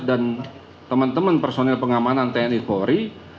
dan teman teman personil pengamanan tni kori